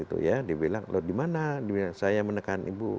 dia bilang lo dimana saya menekan ibu